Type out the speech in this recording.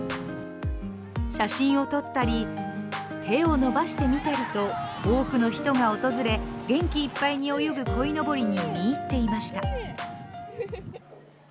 写真を撮ったり、手を伸ばして見ていると、多くの人が訪れ、元気いっぱいに泳ぐこいのぼりに見入っていました。